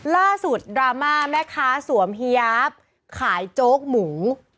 ล่าสุดดราม่าแม่ค้าสวมเฮียาฟขายโจ๊กหมู